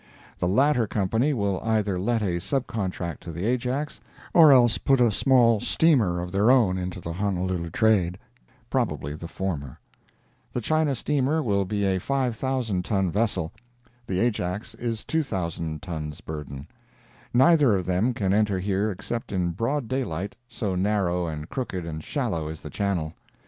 The latter company will either let a sub contract to the Ajax, or else put a small steamer of their own into the Honolulu trade—probably the former. The China steamer will be a 5,000 ton vessel; the Ajax is 2,000 tons burden. Neither of them can enter here except in broad daylight, so narrow and crooked and shallow is the channel.